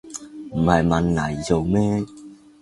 唔係問黎做咩